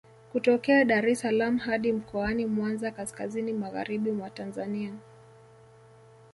Kutokea Dar es salaam hadi Mkoani Mwanza kaskazini magharibi mwa Tanzania